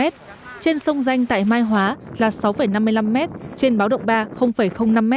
trên sông danh tại mai hóa là sáu năm mươi năm m trên báo động ba năm m